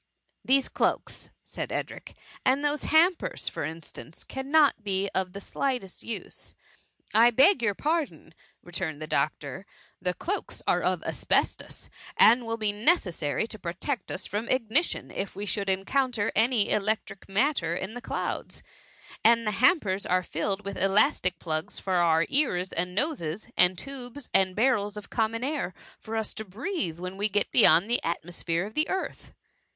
" These cloaks," said Edric, " and those hampers, for instance, cannot be of the slightest use." a I beg your pardon," returned the doctor :^^ The cloaks dre of asbestos, and will be neces sary to protect us from ignition, if we should' encounter any electric matter in the clouds; and the hampers are filled with elastic plugs for our ears and noses, and tubes and barrels of common air, for us to breathe when we get beyond the atmosphere of the earth."